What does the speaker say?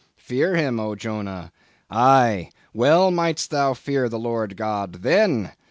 Fear him, O Jonah? Aye, well mightest thou fear the Lord God _then!